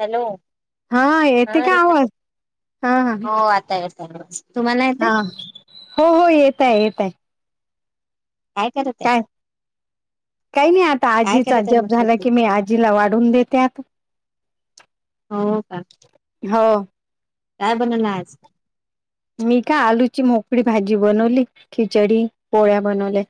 Hello हा येथ हा का रेखा आवाज ताई हा हा हो आता येत आहे तुम्हाला येतय हा हो हो येत आहे येत आहे काय करत काय काही नाही आता काय आजीचा करत आहे जप म्हटलं झाला तुम्ही की मी आजीला वाढून देतेत हो का हो काय बनल आज मी का आलूची मोकळी भाजी बनवली खिचडी पोळ्या बनवल्या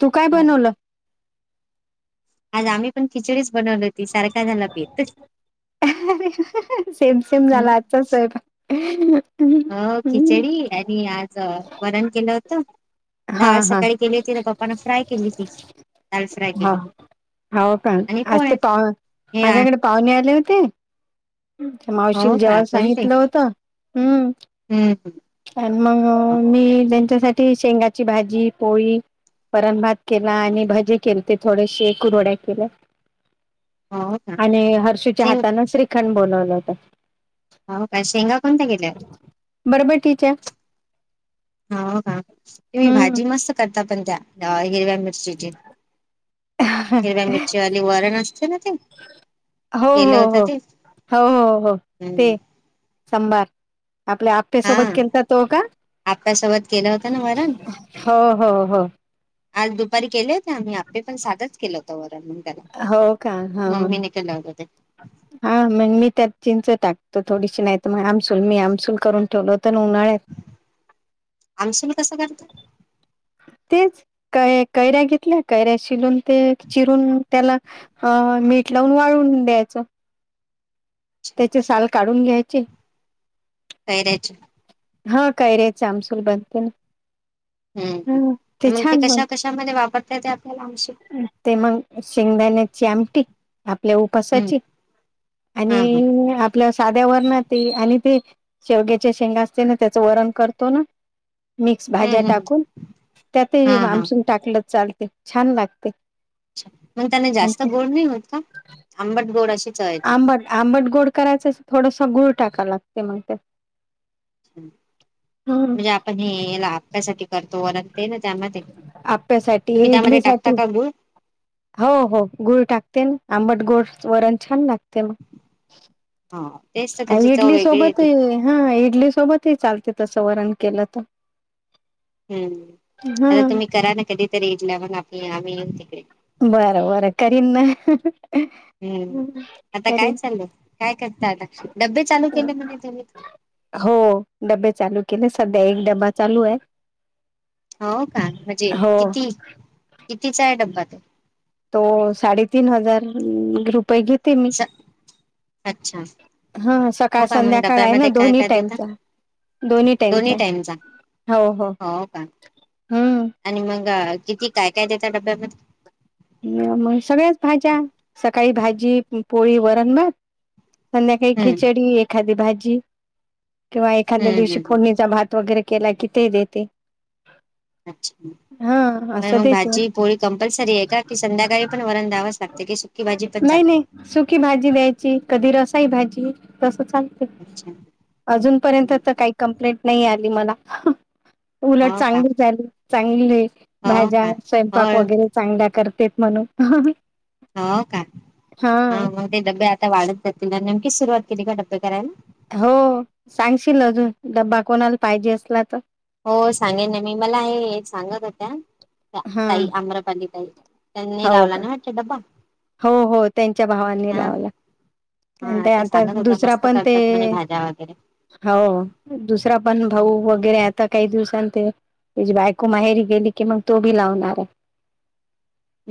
तू काय हो बनवलं आज आम्ही पण खिचडीच बनवली होती सारख झालं भीेतच अरे सेम सेम झाला आजचाचोय प अ खिचडी आणि आज वरण केलं होत हा डाळ हा सकाळी केली त तर बा्पान फ्राय केली त डाळ फ्राय हा केली हो का आणि आज ते पोळ्या पाह हे माझ्याकडे पाहुणे आले ना ते मावशील हो का जेव्हा कोणते सांगितलं होतं हम्म हम्म आणि मग मी त्यांच्यासाठी शेंगाची भाजी पोळी परणभात केला आणि भाजी केले ते थोडेसे कुरड्या केल्या हो का आणि हर्षीच्या शेंग हातानें श्रीखंड बोोलवलं होत हो काय शेंगा कोणत्या गेल्या बरबटीच्या हो काा तुम्ही हम्म भाजी मस्त करता पण त्या हिरव्या मिरचीची हिरवा मिरची वाली वरण असते ना त हो हो हो हो हो हो ते हम्म संभार आपल्या हा आप्यासोबत केलत तो का आप्यासोबत केलं होतं ना वरण हो हो हो आज दुपारी केले होते आम्ही आप्पे पण साधाच केलं होत वर हो का ह केलं होतं ते हा अ मंग मी त्यात चिंच टाकतो थोडीशी नाही तर मग आमसूल, मी आमसूल करून ठेवल. आमसुल कसं करता? तेच क कैऱ्या घेतल्या कैऱ्या शिलून ते चिरून त्याला अ मीठ लावून वाळून द्यायचं. अच्छा त्याचे साल काढून घ्यायची कैर्‍याच. हा कैर्‍याचे आमसुल बनते ना, हम्म हम मग ते कशा कशा मध्ये वापरते त्यात ते मग शेंगदाण्याची आमटी, आपल्या हम्म उपासाची. हा हा हम्म आणि आपल्या साध्यावर ना, ते आणि ते शेवग्याचे शेंग असते ना, त्याचं वरण करतो ना, मिक्स भाज्या हम्म हम्म. टाकून हा त्यातही हा आमसून टाकलं चालते छान लागते. अच् मग त्याने जास्त गोड नाही होत का? आंबट गोड अशी चव येते आंबट आंबट गोड करायचं थोडस गुड टाकाव लागते मंग ते. म्हणजे आपण हे या आप्यासाठी करतो व ते ना त्यामध्ये. प्या साठी इडली साठी. कागू हो हो गुळ टाकते ना, आंबट गोड वरण छान टकते मग हा तेच तर आन त्याची चव इडली वेगळी सोबत येते ही हा इडली सोबत ही चालते तसं वरण केलं तर. हम्म हा आता तुम्ही करा ना, कधीतरी इडला मग आपली आम्ही येऊन तिकडे. बरं बरं करीन ना हम्म. आता काय करीन. चाललं काय करता आता डब्बे चालू केले म्हणे तुम्ही हो डबे चालू केलेच. सध्या एक डबा चालू आहे. हो का म्हणजे हो किती कितीचा हे डब्बा तो? तो साडेतीन हजार ग्रुप अच्छा, हा सकाळ हो का मग संध्याकाळ आहे ना डब्ब्यामध्ये काय दोन्ही काय देता? टाइमचा दोन्ही टाइमचा हो का हम्म आणि म मंग किती काय काय देता डब्यामध्ये? अग सगळ्याच भाज्या, सकाळी भाजी, पोळी वरण भात. संध्याकाळी हम्म खिचडी एखादी भाजी. किंवा एखाद्या हम्म हम्म दिवशी हम्म. फोडणीचा, भात वगैरे केला की ते देते. अच्छा, हा काय असं मंग देते भाजी पोळी कंपल्सरी हे. एका की संध्याकाळी, पण वरण दयावास लागते की सुकी भाजी पण नाही चालते. [unintelligible] ई भाजी. तस चालते अच्छा अजून पर्यंत हम्म. तर काही, कंप्लेंट नाही आली मला. उलट हो का चांगली, प्याली चांगली, हो भाज्या का हो स्वयंपाक वगैरे चांगल्या. करतेेत म्हणून. हो का हा मग ते डबे आता वाढत जातील. नेमकी सुरुवात केली का डबे करायला? हो सांगशील अजून डब्बा कोणाला पाहिजे असला तर. हो सांगेन ना, मी मला हे सांगत होत्या हा ताई आम्रपाली ताई त्यांनी हो लावला का ना वाटत डब्बा हो हो त्यांच्या भावांनी हा लावला. आणि हा ते त्या आता सांगत होत्या दुसरा मस्त पण ते करतात म्हणे भाज्या वगैरे. हो दुसरा पण हम्म. भाऊ वगैरे आता काही दिवसांन ते त्याजी बायको माहेरी गेली कि मंग तो भी लावणार हे.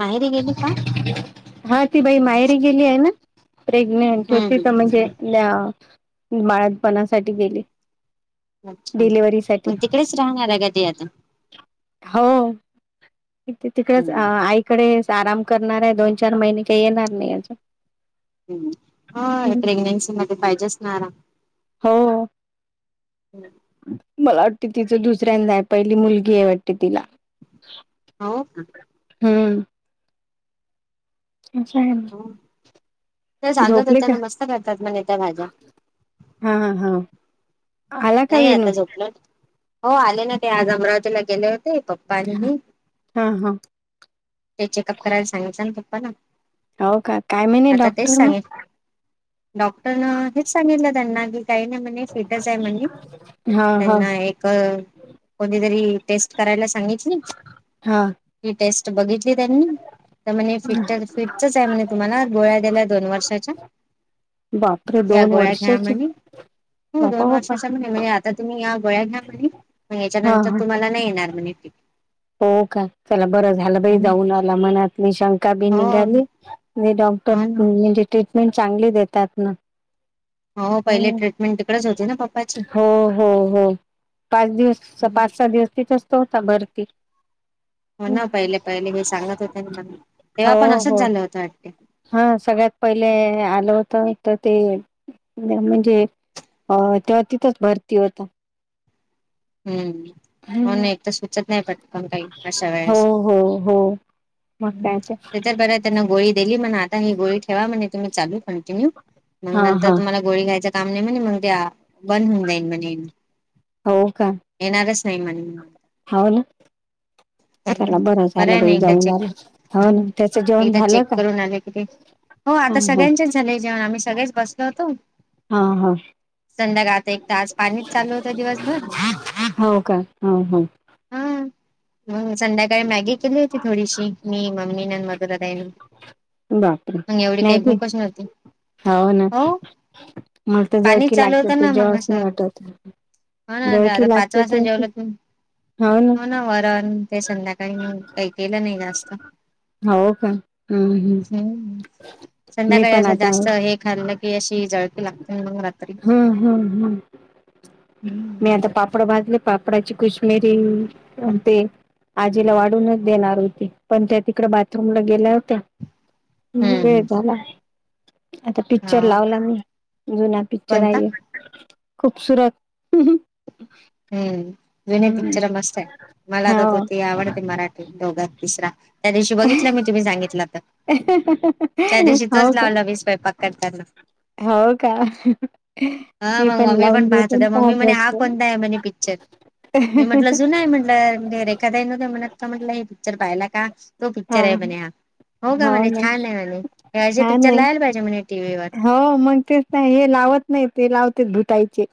माहीरी गेली का? हा ती बाई मायरी गेली आहे ना, प्रेग्नेंट हम्म होती त हम्म म्हणजे ल्या बाळातपणासाठी गेले. अच्छा मण तिकडेच राहणार आहे का ते आता. हो तिकडेच हम्म आईकडे. आराम करणार आहे दोन चार महिने काही येणार नाही याचा. ह्म हा प्रेग्नेन्सी मध्ये पाहिजेच ना आराम. हो हम्म. मला वाटते तिचं दुसऱ्यांदा आहे पहिली मुलगी आहे वाटते तिला. हो का. हम. च्छ हो ते ांलत होतेना मस्त करतात मण त्या भाज्या. हा हा आला का नाही विनू आता झोपलं हो आले ना ते आज अमरावतीला गेले. ते पप्पानी हा हा ते चेकअप करायला सांगितच ना पप्पा ना. हो का काय महिणे डॉक्टर मग. डॉक्टरन हेच सगलं त्यांनली काय नाही मनी फिटस आहे मनी. हा हा त्यांना एक कोणीतरी टेस्ट करायला सांगितली. हा ही टेस्ट बघितली त्यांनी. तर म्हणजे फिट फिटच आहे म्हणज तुम्हाला गोळ्या दिल्या दोन वर्षाच्या. बापरे त्या दोन गोळ्या घ्या वर्षाची म्हणे हो दोन बापा बापा वर्षाच्या म्ह. म्हणजे आता तुम्ही या गोळ्या घ्या म्हणे मग हा हा याच्यानंतर तुम्हाला नाही येणार म्हणे फिट. हो का चला बरं झालं बाई जाऊन आला मनात म शंका बी हो निघाली. डॉक्टर हो ना म्हणजे ट्रीटमेंट चांगली देतात ना. हो पहिले हम्म. ट्रीटमेंट तिकडेच होती ना पप्पा. हो हो हो पाच दिवस पाच सहा दिवस तीथच होता भरती. हो ना पहिले पहिले हे सांगत होते ना मला तेव्हा पण असंच झालं होतं हम्म वाटते हा सगळ्यात पहिले आलं होतं तर ते म्हणजे हो तेव्हा तिथंच भरती होता हम्म हो नाही एक तर सुचत नाही पटकन काही अशा हो वेळेस हो [unintelligible] ते तर बर त्यांना गोळी दिली म्हण आता ही गोळी ठेवा म्हणे तुम्ही चालू कंटिन्यू मग हा नंतर हा तुम्हाला गोळी खायचं काम नाही म्हणे मग ते बंद होऊन जाईन म्हणे हो का येणारच नाही म्हणे हो ना चला बरं आहे झालं ना बाई एकदा जाऊन आला चेक हो ह ना त्याचं जेवण एकदा झालं चेक का करून आले किती हो हा आता हा सगळ्यांचेच झालेय जेवण आम्ही सगळेच बसलो होतो हा हा संध्याकाळ आता एक तर आज पाणीच चालू होतं दिवसभर हो का हो हो हा मग संध्याकाळी मॅगी केली होती थोडीशी मी मम्मी ना आणि मधुराताई बापरे मॅगी हो ना मलात पाणीच जळकी चालू लागते होतं ते ना मग जेवावच नाही असं वाटत हो ना जळकी आता पाच लागते वाजता तर ते जेवलं त हो ना वरण ते संध्याकाळी काही केलं नाही जास्त हो का हम् हम् हम्म संध्याकाळी असं जास्त हे खाल्लं की अशी जळकी लागते मग रात्री हम्म हम्म हम्म हम्म मी आता पापड ब मा पापडाची कुश्मिरी ते आजीला वाढूनच देणार होती पण त्या तिकड बाथरूमला गेल्या होत्या वेळ हम्म झाला आता पिक्चर हा लावला मी जुना पिक्चर कोणता आहे खूबसूरत हम्म जुने पिक्चर मस्त आहे मला तर तो हो ते आवडते मराठी दोघात तिसरा त्या दिवशी बघितलं मी तुम्ही सांगितलं तर त्या दिवशी तोच हो का लावला मी स्वयंपाक करताना हो का हा मी मग मम्मी लावून पण पाहत घेते आणि होते मम्मी म्हणे हा बसते कोणता आहे म्हण पिक्चर मी म्हटलं जुूनय म्हटलंजे रेखादा नव्हते म्हणत का म्हटलं हे पिक्चर पाहियला का तो हा पिक्चर आहे म्हण अ हो ना छान पिक्चर आहे लावायला पाहिजे म्हणे टीव्ही वर हो मग तेच नाही हे लावत नाही ते लावते भुतायचे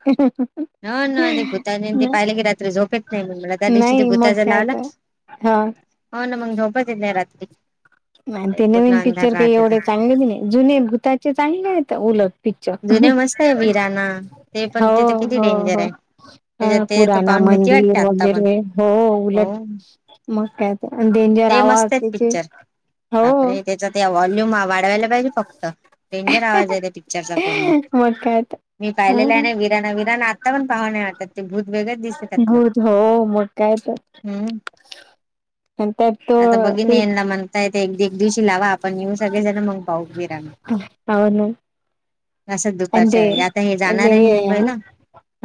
ह ना ते भूताच ते पाहिले की रात्री झोपेत नाही म मला त्या दिवशी नाही ते मग भूताच काय लावला तर हा हो न मंग झोपच येत नाही रात्री आणि ते पूर्ण नवीन अंधार पिक्चर काही राहते तर एवढे चांगले नाही जुने भूताचे चांगले आहेत तर उलट पिक्चर जुने मस्त आहे वीराना ते पण हो तिथं किती हो डेंजर हो आहे त्याच्यात ते तर पुराना पाहून भीती मंदिर वाटते आता पण वगैरे हो हो उलट मग त्यात अन् डेंजर ते आवाज मस्त आहेत त्याचे पिक्चर हो बापरे त्याचा त्या वॉल्यूम वाढवायला पाहिजे फक्त डेंजर आवाज आहे त्या पिक्चरचा पूर्ण मग काय तर मी पाहिलेला हा आहे नाही विराना विराणा आत्ता पण पाह नाही वाटात ते भूत वेगळंच दिसते त्यातलं. हो हो मग काय हम्म तर त्यात तो आता बघिन एक यांना म्हणता येत एक एक दिवशी लावा आपण येऊ सगळेजण मग पाहू विराना होन अ अन वेळी आता हे जाणार ते आहे ना मुंबईला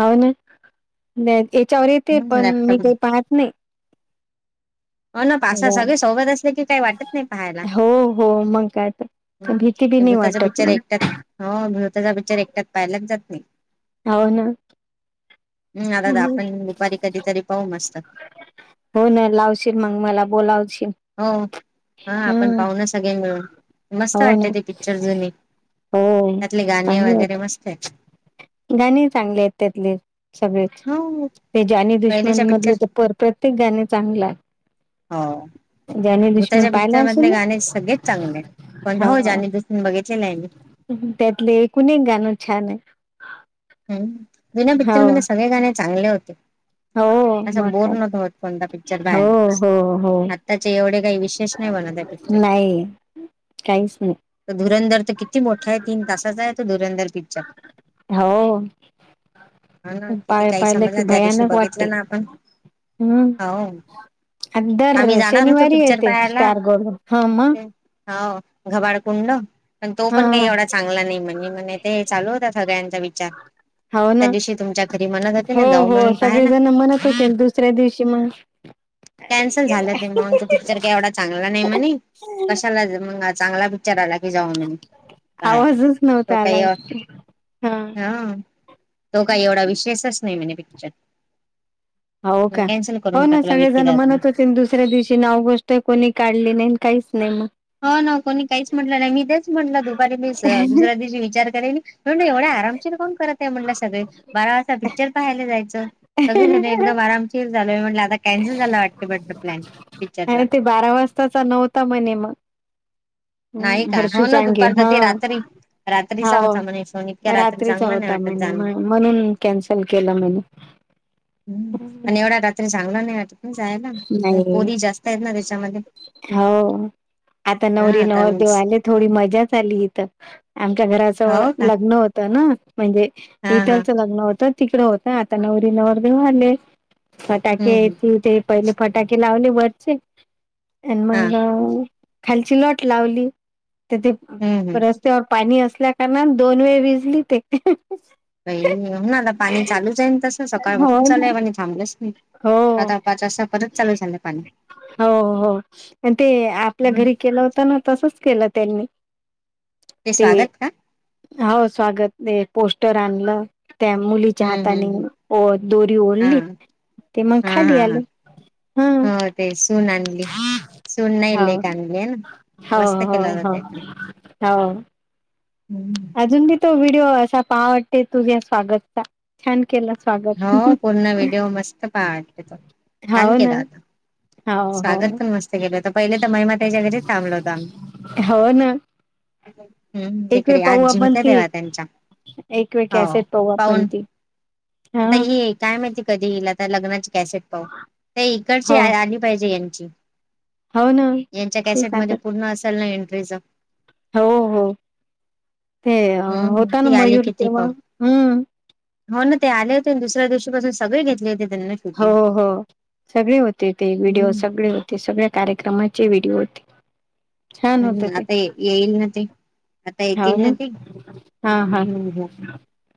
हो न ते पण मी लॅपटॉप काही पाहत नाही हो ना कसं सगळे सोबत असले की काही वाटत नाही पहायला हो हो मग काय तर भीती बी नाही भूताचा वाटत पिक्चर मग एकट्यात हो भूताचा पिक्चर एकट्यात पाहिलाच जात नाही हो ना हम् दादा आपण दुपारी कधीतरी पाहू मस्त हो ना लावशील मग मला बोलावशील हो हा आपण हम्म पाह ना सगळे मिळून मस्त हो ना वाटते ते पिक्चर जुनी हो. त्यातले गाणे चांगले वगैरे वाट मस्त आहे गाणी चांगले आहेत त्यातले सगळेच हो ते जानी पहिलेच्या दुश्मन पिक्चर मधले तर पर प्रत्येक गाणे चांगलं आहे हो जानी दुश्मन भूताच्या पिक्चर पाहिला असेल मधले ना गाणे सगळेच चांगले पण होऊ हो. जानी दुसऱ बघितलेलं आहे मी त्यातले एकूण एक गाणं छान आहे ह जुना पिक्चर हो मध्ये सगळे गाणे चांगले होते हो असं मग बोर काय नव्हत होत कोणता पिक्चर हो बाहायला हो हो. आत्ताचे एवढे काही विशेष नाही बनत पिक्चर नाही काहीच नाही तो धुरंधर तर किती मोठा आहे तीन तासाचा आहे तो धुरंधर पिक्चर हो हा ना पा किती काही पाहिलं की समजलं त्या दिवशी भयानक वाटते बघितलं ना आपण हम्म हो दर आम्ही जाणार होतो शनिवारी पिक्चर येते स्टार गोल्ड हा म हा घबाड कुंड पण तो पण काही हा एवढा चांगला नाही म्हणजे म्हणे ते चालू होता सगळ्यांचा विचार हो ना त्या दिवशी तुमच्या घरी म्हणत होते हो ना जाऊ हो म्हणून सगळे पाहायला जण म्हणत होतील दुसऱ्या दिवशी म कॅन्सल झालं ते मगग पिक्चर काय एवढा चांगला नाही म्हणे कशाला मग चांगला प पिक्चरआला की जाव म पाहायला आवाजच त नव्हता आला काय हा तो काही एवढा विशेषच नाही म्हणजे पिक्चर हो मग का कॅन्सल हो करून ना टाकला विक्की सगळेजण दादान म्हणत होते दुसऱ्या दिवशी नाव गोष्ट कोणी काढली नाही काहीच नाही मग ह ना कोणी काहीच म्हटलं नाही मी तेच म्हटलं दुपारी मीस दुसऱ्या दिवशी विचार करेल एवढ्या आरामशीर कोण करतय म्हण सगळे बारा वाजता पिक्चर पाहायला जायचं सगळ एक आरामशीर झालय म्हट आता कॅन्सल झाला वाटत ब प्लॅन पिक्चरचा आणि ते बारा वाजताचा नव्हता म्हणे मग नाही हम्म का हर्षी हो ना चांगे दुपारचा हा ते रात्री ह रात्रीचा होता म्हणे शो इतक्या रात्री रात्रीचा चांगला नाही होता वाटत म्ह जाणं म्हणून कॅन्सल केलं म्हने आणि एवढ्या रात्री चांगला नाही वाटत ना जायला नाही पोरी जास्त आहेत ना त्या हो आता हा नवरी आता नवर मीच. देवले थोडी मजाच आली इथ आमच्या घराच हो का लग्न होतं ना म्हणजे हा हा इतरचं लग्न होत तिकडं होतं आता नवरी नवरदेव आले फटाके हम्म हम्म याची ते पहिले फटाके लावले वरचे आणि हा मग खालची लट लावली तेथे हम्म हम्म रस्त्यावर पाणी असल्या कारणा दोन वेळ विजली ते पई हो ना आता पाणी चालूच आहे तसं हो सकाळपसून चालय ना पाणी थांबलंच नाही हो आता पाच वाजता परत चालू झा हो हो आणि ते आपल्या घरी केलं होत ना तस केलं त्यांनी ते स्वागत का हो स्वागत पोस्टर आणलं त्या मुलीच्या हम्म हम्म हम्म हाताने दोरी हा ओढली ते मग हा हा खाली हा आलं ह हो ते सून आणली सून नाही हो ललेक आणली आहे ना हो मस्त हो केला जात हो हो [inaudible] अजून बी तो व्हिडिओ असा पाहावटते तुझ्या स्वागत चा छान केलं स्वागत हो पूर्ण व्हिडिओ मस्त पहा वाटते तो छान हो ना केला होता हो हो स्वागत पण मस्त केलं होत पहिले तर महिमाात्याच्या घरीच थांबलं होतं आम्ही ह ना हम्म एक वेळ तिकडे पाहूं आजी आपण होत्या ती, तेव्हा त्यांच्या एक वेळ हो कॅसेट पाहू आपण पाहून ती हा आता हे काय माहिती कधी येईल? आता लग्नाची कॅसेट पाहू ते इकडचे हो आली पाहिजे हो ना यांच्या कॅसेट तेच मधे आता पूर्ण असेल ना एंट्रीचा? हो हो. ते अ हम्म होता ती ना आली मयूर कि ती तेव्हा पाहू हम्म? हो ना ते आले होते आणि दुसऱ्या दिवशी पाासून सगळे घेतले होते त्यांना हो शूटिंग. हो. सगळे होते ते, व्हिडिओ हम्म सगळे होते, सगळ्या कार्यक्रमाचे व्हिडिओ होते. छान होत हम्म ते आता येईल ना ते आता येत हो ना न ते हा हा हम